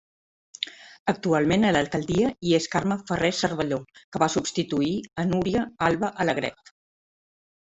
Actualment a l'alcaldia hi és Carme Ferrer Cervelló que va substituir a Núria Alba Alegret.